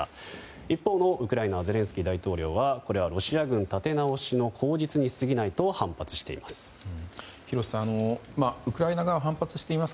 一方のウクライナのゼレンスキー大統領はこれはロシア軍立て直しの口実に過ぎないと反発しています。